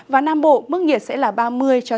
và nam bộ mức nhiệt sẽ là ba mươi ba mươi hai độ